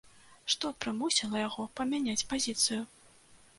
Што прымусіла яго памяняць пазіцыю?